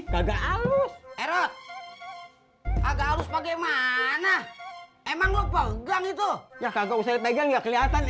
kagak alus erot agak harus bagaimana emang lo pegang itu ya kagak usah pegang ya kelihatan